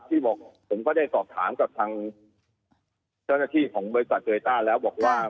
ที่บอกผมก็ได้สอบถามกับทางเจ้าหน้าที่ของบริษัทโยต้าแล้วบอกว่า